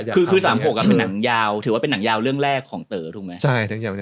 ๓๖เป็นหนังยาวถือว่าเป็นชั้นเรื่องแรกของเต๋อ